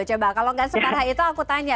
coba kalau nggak separah itu aku tanya